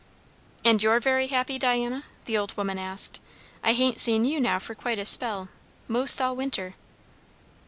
"And you're very happy, Diana?" the old woman asked. "I hain't seen you now for quite a spell 'most all winter."